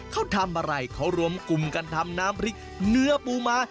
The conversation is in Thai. เขาทำอะไรเขารวมกลุ่มกันทำน้ำพริกเนื้อปูม้า